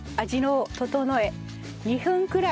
２分ぐらい？